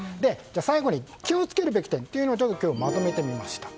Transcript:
最後に気を付けるべき点を今日はまとめてみました。